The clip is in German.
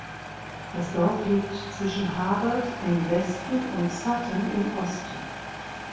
Das Dorf liegt zwischen Harvard im Westen und Sutton im Osten.